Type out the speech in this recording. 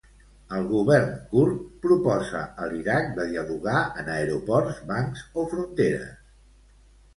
El govern kurd proposa a l'Iraq de dialogar en aeroports, bancs o fronteres.